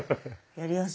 やりやすい。